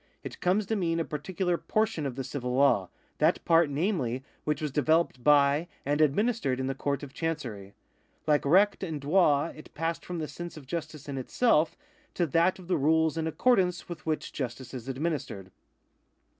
It comes to mean a particular portion of the civil law — that part, namely, which was developed by and administered in the Court of Chancery. Like recht and droit it passed from the sense of justice in itself to that of the rules in accordance with which justice is administered.